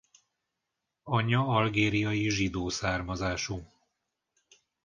Anyja algériai zsidó származású.